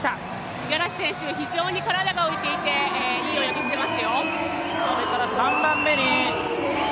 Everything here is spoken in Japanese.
五十嵐選手、非常に体が浮いていて、いい泳ぎをしていますよ。